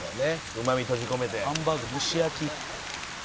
「うまみ閉じ込めて」「ハンバーグ蒸し焼き」